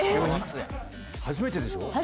初めてでしょ？